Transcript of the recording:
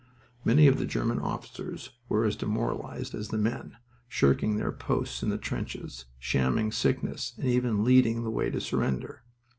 Many of the German officers were as demoralized as the men, shirking their posts in the trenches, shamming sickness, and even leading the way to surrender.